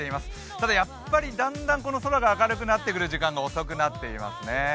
ただやっぱりだんだん空が明るくなる時間が遅くなっていますね。